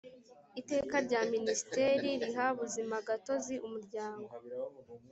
iteka rya minisiteri riha buzimagatozi umuryango